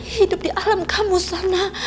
hidup di alam kamu sana